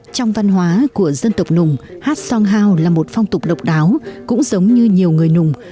trong văn hóa của dân tộc nùng hát song hao là một phong tục độc đáo cũng giống như nhiều người nùng